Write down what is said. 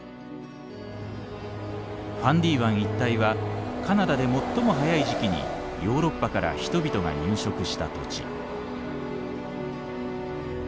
ファンディ湾一帯はカナダで最も早い時期にヨーロッパから人々が入植した土地。